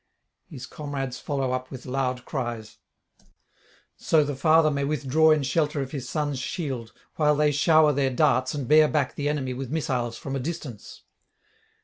His comrades follow up with loud cries, so the father may withdraw in shelter of his son's shield, while they shower their darts and bear back the enemy with missiles from a distance.